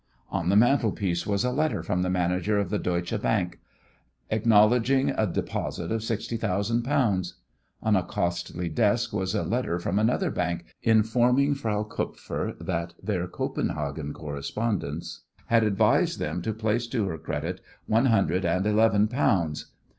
On the mantelpiece was a letter from the manager of the Deutsche Bank acknowledging a deposit of sixty thousand pounds; on a costly desk was a letter from another bank informing Frau Kupfer that their Copenhagen correspondents had advised them to place to her credit one hundred and eleven pounds.